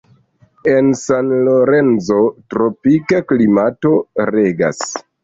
En San Lorenzo tropika klimato regas.